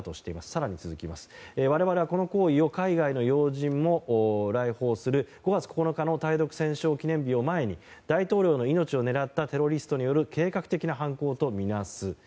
更に続きます、我々はこの行為を海外の要人も来訪する５月９日の対独戦勝記念日を前に大統領の命を狙ったテロリストによる計画的な犯行とみなす。